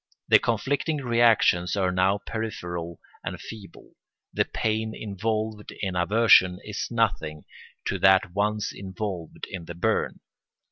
The conflicting reactions are now peripheral and feeble; the pain involved in aversion is nothing to that once involved in the burn.